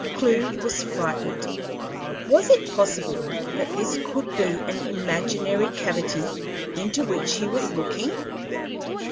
Clewe was frightened. Was it possible that this could be an imaginary cavity into which he was looking?